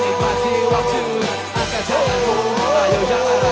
esok hari kita kembali bekerja